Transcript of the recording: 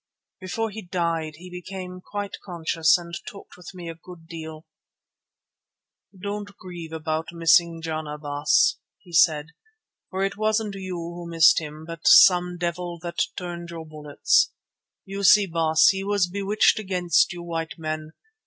Before he died he became quite conscious and talked with me a good deal. "Don't grieve about missing Jana, Baas," he said, "for it wasn't you who missed him but some devil that turned your bullets. You see, Baas, he was bewitched against you white men.